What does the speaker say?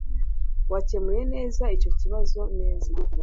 Wakemuye neza icyo kibazo neza